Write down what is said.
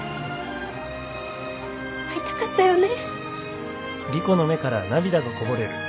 会いたかったよね。